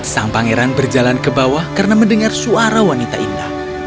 sang pangeran berjalan ke bawah karena mendengar suara wanita indah